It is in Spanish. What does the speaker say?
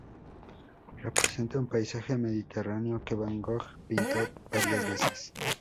Representa un paisaje mediterráneo, que Van Gogh pintó varias veces.